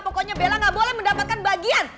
pokoknya bella gak boleh mendapatkan bagian